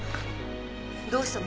どうしたの？